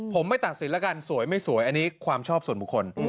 ผมไม่ตัดสินแล้วกันสวยไม่สวยอันนี้ความชอบส่วนบุคคล